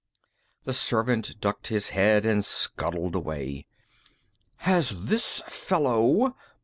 The servant ducked his head and scuttled away. "Has this fellow...."